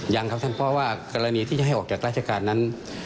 ยังครับท่านเพราะว่ากรณีที่จะให้ออกจากราชการนั้น